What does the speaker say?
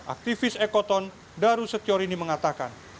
aktivis ekoton darusek yorini mengatakan